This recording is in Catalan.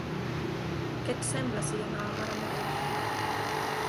Què et sembla si hi anàvem ara mateix?